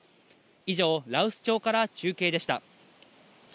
以上、羅臼町から中継でした。